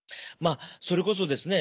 それこそですね